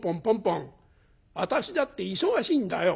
私だって忙しいんだよ」。